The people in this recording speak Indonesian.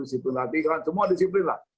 disiplin waktu disiplin latihan semua disiplin lah